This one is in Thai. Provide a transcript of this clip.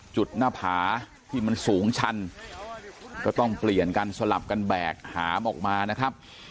หน้าผาที่มันสูงชันก็ต้องเปลี่ยนกันสลับกันแบกหามออกมานะครับ